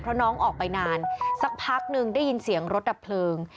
เพราะน้องออกไปนานสักพักนึงได้ยินเสียงรถดับเพลิง